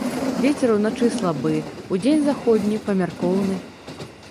Вецер уначы слабы, удзень заходні памяркоўны.